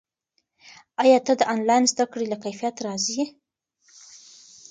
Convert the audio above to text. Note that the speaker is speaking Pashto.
ایا ته د آنلاین زده کړې له کیفیت راضي یې؟